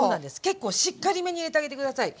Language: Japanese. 結構しっかりめに入れてあげて下さい。